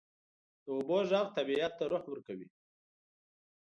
د اوبو ږغ طبیعت ته روح ورکوي.